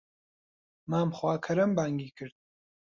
مام خواکەرەم بانگی کرد